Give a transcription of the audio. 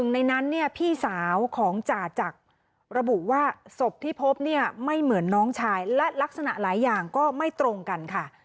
ในนั้นเนี่ยพี่สาวของจ่าจักรระบุว่าศพที่พบเนี่ยไม่เหมือนน้องชายและลักษณะหลายอย่างก็ไม่ตรงกันค่ะ